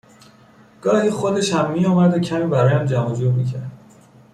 گاهی خودش هم میآمد و کمی برایم جمع و جور میکرد